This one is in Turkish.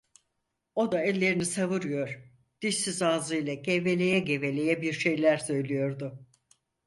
O da ellerini savuruyor, dişsiz ağzıyla geveleye geveleye bir şeyler söylüyordu.